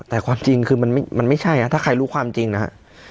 แต่ความจริงคือมันไม่ใช่ถ้าใครรู้ความจริงนะฮะ